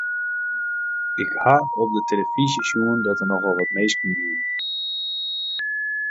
Ik haw op 'e telefyzje sjoen dat der nochal wat minsken wiene.